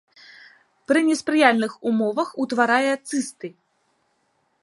Пры неспрыяльных умовах утварае цысты.